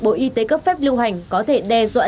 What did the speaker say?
bộ y tế cấp phép lưu hành có thể đe dọa